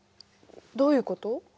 どういうこと？